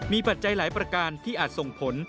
มีปัจจัยหลายประการที่อาจส่งผล